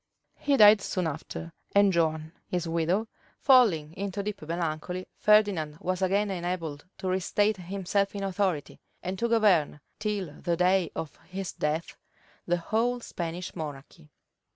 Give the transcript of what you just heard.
{1507.} He died soon after; and Joan, his widow, falling into deep melancholy Ferdinand was again enabled to reinstate himself in authority, and to govern, till the day of his death, the whole Spanish monarchy.